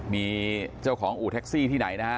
มีเจ้าของอู่แท็กซี่ที่ไหนนะฮะ